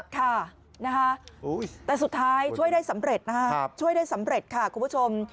ค่ะแต่สุดท้ายช่วยได้สำเร็จนะคะช่วยได้สำเร็จค่ะคุณผู้ชม